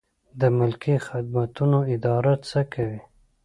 د ملکي خدمتونو اداره څه کوي؟